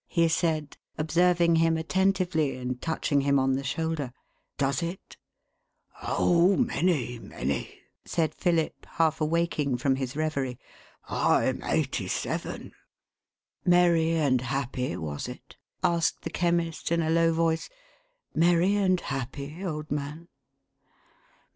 " he said, observing him attentively, and touching him on the shoulder. " Does it ?"" Oh many, many !" said Philip, half awaking from his reverie. " I'm eighty seven !" "Merry and happy, was it?" asked the Chemist, in a low voice. " Merry and happy, old man